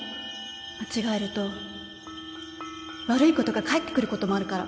間違えると悪いことが返ってくることもあるから